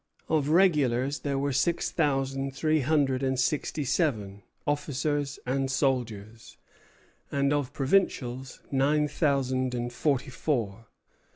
Of regulars there were six thousand three hundred and sixty seven, officers and soldiers, and of provincials nine thousand and thirty four.